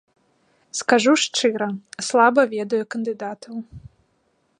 Скажу шчыра, слаба ведаю кандыдатаў.